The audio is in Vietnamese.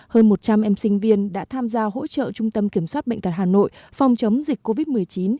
hơn một trăm linh em sinh viên đã tham gia hỗ trợ trung tâm kiểm soát bệnh tật hà nội phòng chống dịch covid một mươi chín